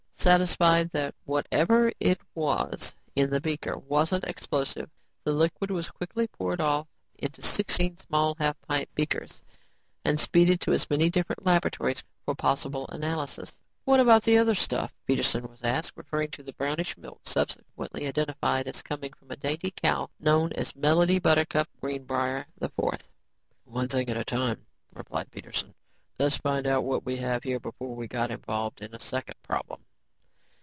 Satisfied that whatever it was in the beaker wasn't explosive, the liquid was quickly poured off into sixteen small half pint beakers and speeded to as many different laboratories for possible analysis. "What about the other stuff?" Peterson was asked, referring to the brownish "milk" subsequently identified as coming from a dainty young cow known as Melody Buttercup Greenbrier IV. "One thing at a time," replied Peterson. "Let's find out what we have here before we got involved in the second problem."